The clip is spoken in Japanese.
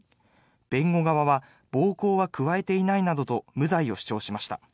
弁護側は暴行は加えていないなどと無罪を主張しました。